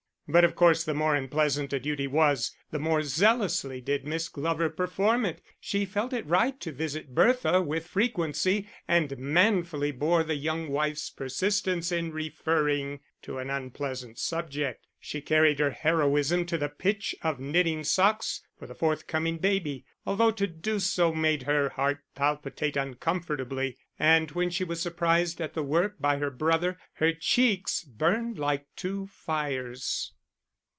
But of course the more unpleasant a duty was, the more zealously did Miss Glover perform it; she felt it right to visit Bertha with frequency, and manfully bore the young wife's persistence in referring to an unpleasant subject. She carried her heroism to the pitch of knitting socks for the forthcoming baby, although to do so made her heart palpitate uncomfortably; and when she was surprised at the work by her brother, her cheeks burned like two fires.